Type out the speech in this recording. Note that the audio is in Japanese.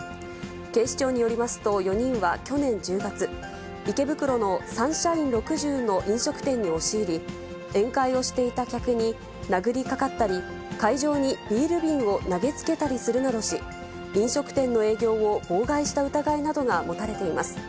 警視庁によりますと、４人は去年１０月、池袋のサンシャイン６０の飲食店に押し入り、宴会をしていた客に殴りかかったり、会場にビール瓶を投げつけたりするなどし、飲食店の営業を妨害した疑いなどが持たれています。